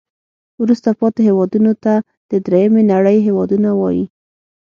وروسته پاتې هیوادونو ته د دریمې نړۍ هېوادونه وایي.